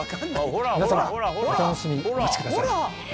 皆さまお楽しみにお待ちください。